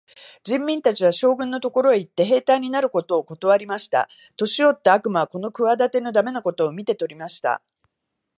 人民たちは、将軍のところへ行って、兵隊になることをことわりました。年よった悪魔はこの企ての駄目なことを見て取りました。